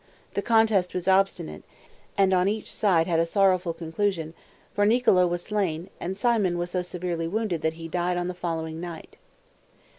The contest was obstinate, and one each side had a sorrowful conclusion; for Niccolo was slain, and Simone was so severely wounded that he died on the following night.